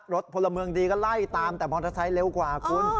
พลเมืองดีก็ไล่ตามแต่มอเตอร์ไซค์เร็วกว่าคุณ